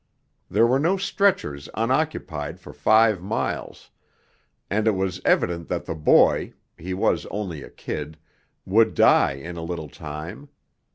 There were no stretchers unoccupied for five miles, and it was evident that the boy he was only a kid would die in a little time.